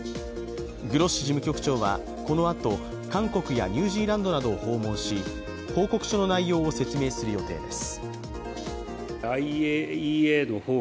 グロッシ事務局長はこのあと韓国やニュージーランドなどを訪問し報告書の内容を説明する予定です。